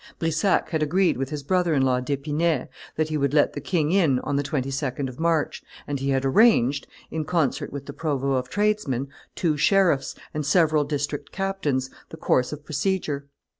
Brissac had agreed with his brother in law D'Epinay that he would let the king in on the 22d of March, and he had arranged, in concert with the provost of tradesmen, two sheriffs, and several district captains, the course of procedure.